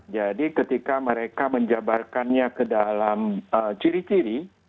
jadi ketika mereka menjabarkannya ke dalam ciri ciri